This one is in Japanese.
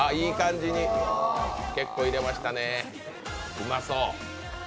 うまそう！